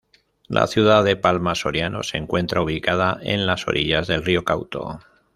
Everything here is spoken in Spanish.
La ciudad de Palma Soriano se encuentra ubicada en las orillas del río Cauto.